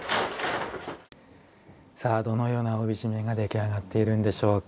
さあどのような帯締めが出来上がっているんでしょうか。